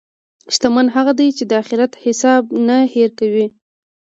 شتمن هغه دی چې د اخرت حساب نه هېر کړي.